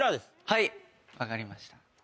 はい分かりました。